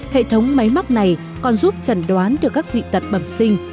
hệ thống máy móc này còn giúp trần đoán được các dị tật bẩm sinh